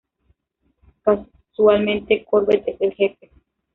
Casualmente, Corbett es el jefe.